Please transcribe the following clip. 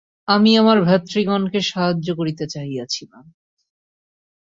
আমি আমার ভ্রাতৃগণকে সাহায্য করিতে চাহিয়াছিলাম।